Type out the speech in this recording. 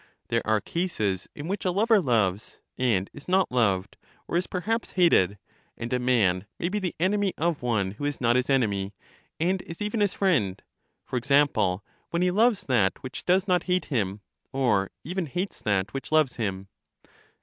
There are cases in which a lover loves, and is not loved, or is perhaps hated; and a man may be the enemy of one who is not his enemy, and is even his friend: for example, when he loves that which does not hate him, or even hates that which loves him.